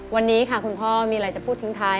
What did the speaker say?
วันนี้ค่ะคุณพ่อมีอะไรจะพูดทิ้งท้าย